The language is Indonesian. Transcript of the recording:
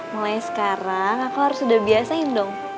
mulai sekarang aku harus sudah biasain dong